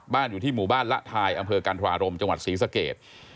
อยู่ที่หมู่บ้านละทายอำเภอกันธรารมจังหวัดศรีสเกต